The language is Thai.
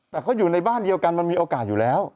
แต่เขาอยู่ในบ้านเดียวกันมันมีโอกาสอยู่แล้ว